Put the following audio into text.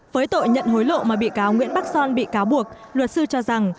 với tội nhận hối lộ mà bị cáo nguyễn bắc son bị cáo buộc luật sư cho rằng